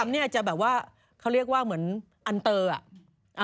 เนี่ยจะแบบว่าเขาเรียกว่าเหมือนอันเตอร์อ่ะ